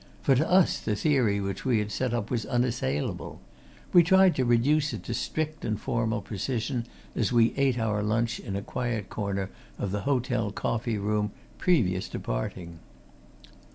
For to us the theory which we had set up was unassailable: we tried to reduce it to strict and formal precision as we ate our lunch in a quiet corner of the hotel coffee room, previous to parting.